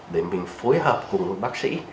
để mình phối hợp cùng bác sĩ